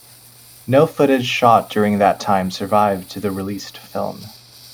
No footage shot during that time survived to the released film.